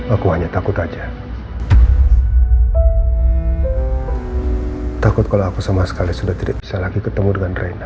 aku hanya takut aja takut kalau aku sama sekali sudah tidak bisa lagi ketemu dengan reina